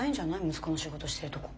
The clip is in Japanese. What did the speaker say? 息子の仕事してるとこ。